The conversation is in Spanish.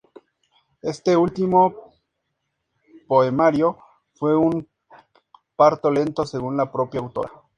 Este último poemario fue "un parto lento", según la propia autora.